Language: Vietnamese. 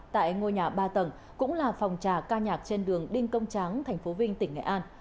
tại ngôi nhà ba tầng cũng là phòng trà ca nhạc trên đường đinh công tráng thành phố vinh tỉnh nghệ an